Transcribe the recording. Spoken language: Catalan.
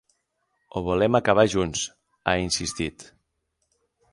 Ho volem acabar junts, ha insistit.